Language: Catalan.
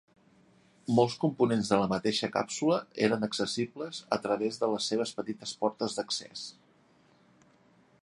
Molts components de la mateixa càpsula eren accessibles a través de les seves petites portes d'accés.